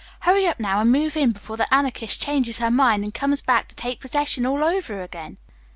Hurry up, now, and move in before the Anarchist changes her mind and comes back to take possession all over again."